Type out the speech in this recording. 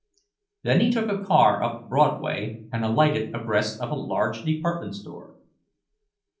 Then he took a car up Broadway and alighted abreast of a large department store.